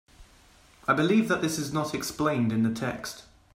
I believe that this is not explained in the text.